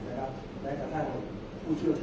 แต่ว่าไม่มีปรากฏว่าถ้าเกิดคนให้ยาที่๓๑